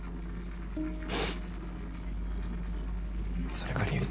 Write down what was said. それが理由？